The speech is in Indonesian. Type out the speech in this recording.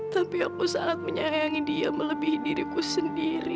tapi aku sangat menyayangi dia melebihi diriku sendiri